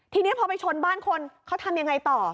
ทีนี้พอไปชนบ้านคนเขาทำยังไงต่อ